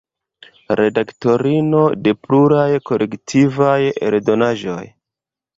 Redaktorino de pluraj kolektivaj eldonaĵoj.